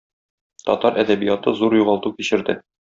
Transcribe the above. Татар әдәбияты зур югалту кичерде.